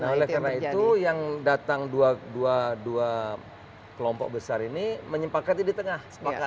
nah oleh karena itu yang datang dua kelompok besar ini menyempakati di tengah